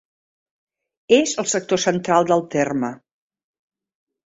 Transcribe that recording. És al sector central del terme.